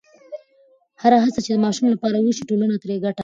هره هڅه چې د ماشوم لپاره وشي، ټولنه ترې ګټه اخلي.